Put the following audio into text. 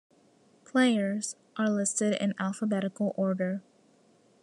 Players are listed in alphabetical order.